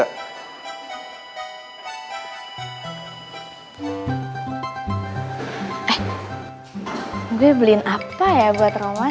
gue beliin apa ya buat roman